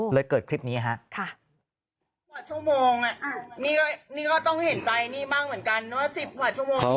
เลยเกิดคลิปนี้ค่ะ